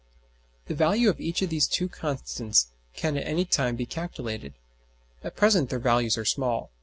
The value of each of these two constants can at any time be calculated. At present their values are small.